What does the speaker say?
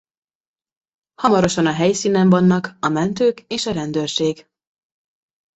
Hamarosan a helyszínen vannak a mentők és a rendőrség.